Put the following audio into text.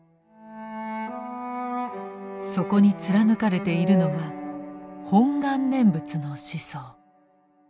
そこに貫かれているのは「本願念仏」の思想。